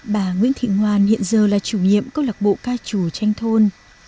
bà nguyễn thị ngoan hiện giờ là chủ nhiệm câu lạc bộ ca trù tranh thôn